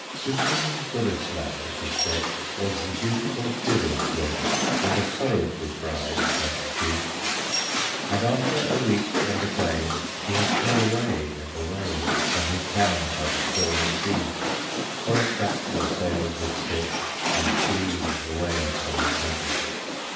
To King Burislaf, it is said, Was the beautiful Thyri wed, And a sorrowful bride went she; And after a week and a day, She has fled away and away, From his town by the stormy sea. Hoist up your sails of silk, And flee away from each other.